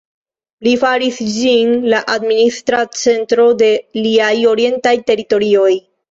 Li faris ĝin la administra centro de liaj orientaj teritorioj.